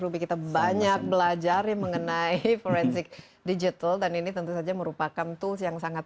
ruby kita banyak belajar mengenai forensik digital dan ini tentu saja merupakan tools yang sangat